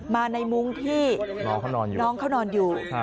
มาในมุ้งที่น้องเขานอนอยู่